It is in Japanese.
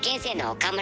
岡村。